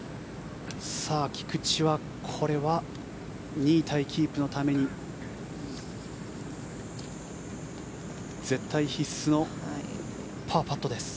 菊地はこれは２位タイキープのために絶対必須のパーパットです。